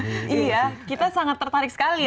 iya kita sangat tertarik sekali ya